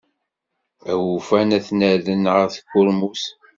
Awufan ad ten-rren ɣer tkurmut.